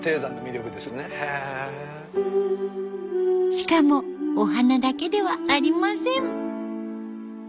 しかもお花だけではありません。